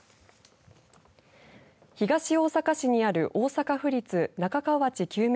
東大阪市にある大阪府立中河内救急